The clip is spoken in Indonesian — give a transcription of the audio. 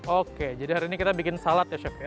oke jadi hari ini kita bikin salad ya chef ya